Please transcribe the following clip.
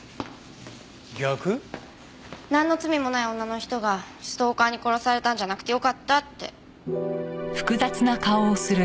なんの罪もない女の人がストーカーに殺されたんじゃなくてよかったって。